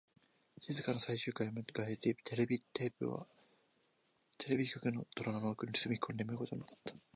静かな最終回を迎え、ビデオテープはまたテレビ局の戸棚の奥の隅っこで眠ることになった